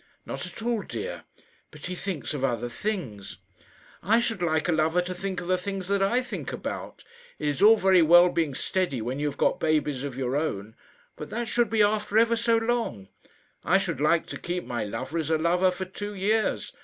"Not at all, dear; but he thinks of other things." "I should like a lover to think of the things that I think about. It is all very well being steady when you have got babies of your own; but that should be after ever so long. I should like to keep my lover as a lover for two years.